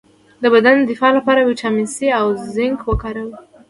د بدن د دفاع لپاره ویټامین سي او زنک وکاروئ